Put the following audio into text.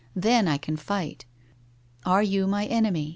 Then I can fight. Are you my enemy